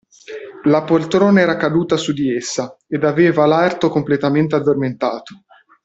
La poltrona era caduta su di essa, ed aveva l'arto completamente addormentato.